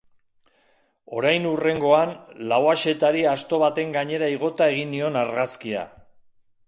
Orain hurrengoan Lauaxetari asto baten gainera igota egin nion argazkia.